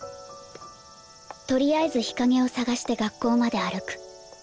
とりあえず日陰を探して学校まで歩く。